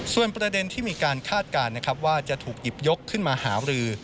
ส่วนประเด็นที่มีการคาดการณ์นะครับว่าจะถูกหยิบยกขึ้นมาหารือ